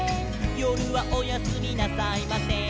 「よるはおやすみなさいません」